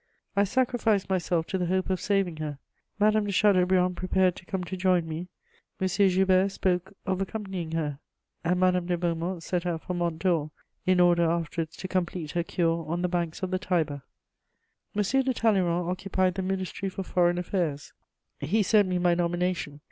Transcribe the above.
I sacrificed myself to the hope of saving her. Madame de Chateaubriand prepared to come to join me; M. Joubert spoke of accompanying her; and Madame de Beaumont set out for Mont Dore, in order afterwards to complete her cure on the banks of the Tiber. M. de Talleyrand occupied the Ministry for Foreign Affairs; he sent me my nomination.